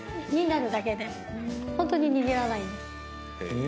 ホントに握らないんです。